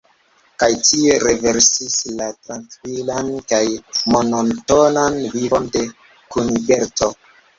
Kaj tio renversis la trankvilan kaj monotonan vivon de Kuniberto.